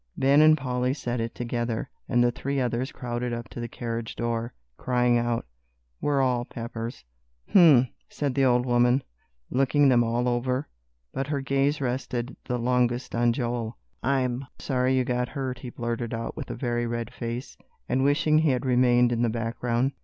Ben and Polly said it together, and the three others crowded up to the carriage door, crying out, "We're all Peppers." "Um!" said the old woman, looking them all over, but her gaze rested the longest on Joel. "I'm sorry you got hurt," he blurted out with a very red face, and wishing he had remained in the background.